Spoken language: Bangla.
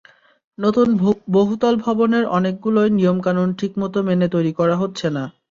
নতুন বহুতল ভবনের অনেকগুলোই নিয়মকানুন ঠিকমতো মেনে তৈরি করা হচ্ছে না।